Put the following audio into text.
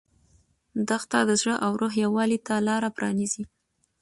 دښته د زړه او روح یووالي ته لاره پرانیزي.